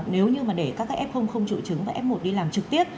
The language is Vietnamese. nếu như mà để các đã f không chủ trứng và f một đi làm trực tiếp